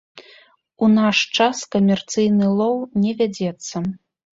У наш час камерцыйны лоў не вядзецца.